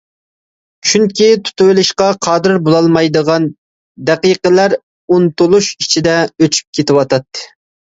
چۈنكى تۇتۇۋېلىشقا قادىر بولالمايدىغان دەقىقىلەر ئۇنتۇلۇش ئىچىدە ئۆچۈپ كېتىۋاتاتتى.